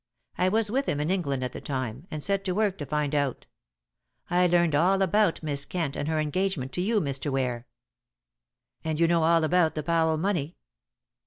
I was with him in England at the time, and set to work to find out. I learned all about Miss Kent and her engagement to you, Mr. Ware." "And you know all about the Powell money?"